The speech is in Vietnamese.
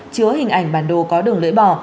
chứa hình ảnh bản đồ có đường lưỡi bỏ